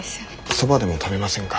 そばでも食べませんか？